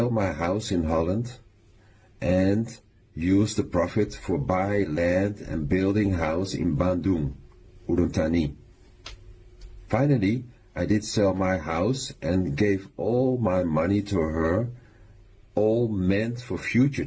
ผมปล่อยปล่อยของข้าและเคยเลี้ยงสองบาทมาให้เธอ